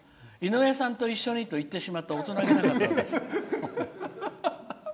井上さんと一緒にと言ってしまって大人気なかったです」。